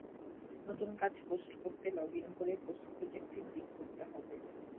নতুন কাজ পোস্ট করতে লগ-ইন করে পোস্ট প্রোজেক্ট-এ ক্লিক করতে হবে।